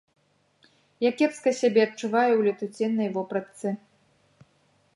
Я кепска сябе адчуваю ў летуценнай вопратцы.